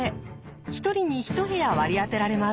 １人に１部屋割り当てられます。